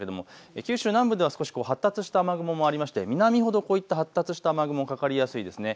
九州南部では少し発達した雨雲もあって南ほどこうした雨雲がかかりやすいです。